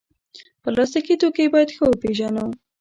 پلاستيکي توکي باید ښه وپیژنو.